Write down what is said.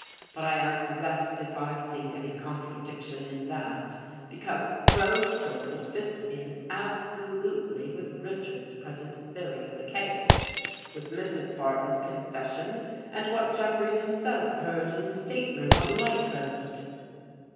But I am blessed if I see any contradiction in that, because Crow's story fits in absolutely with Rich ards's present theory of the case, with Mrs. Bar ton's confession and what Jeffrey himself heard in his stateroom on the night boat."